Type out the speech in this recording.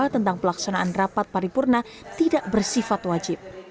tentang pelaksanaan rapat paripurna tidak bersifat wajib